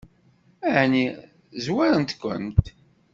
Ɛni zwarent-kent?